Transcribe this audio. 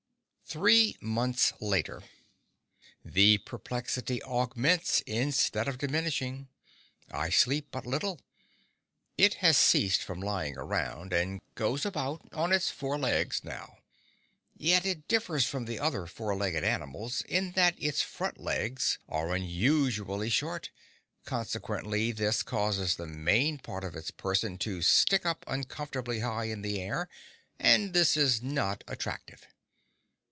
Three Months Later The perplexity augments instead of diminishing. I sleep but little. It has ceased from lying around, and goes about on its four legs now. Yet it differs from the other four legged animals in that its front legs are unusually short, consequently this causes the main part of its person to stick up uncomfortably high in the air, and this is not attractive.